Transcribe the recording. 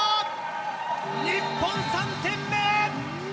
日本、３点目！